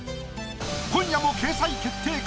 今夜も掲載決定か？